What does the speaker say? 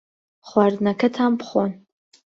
خواردنەکەتان بخۆن.